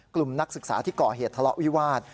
นักศึกษาที่ก่อเหตุทะเลาะวิวาส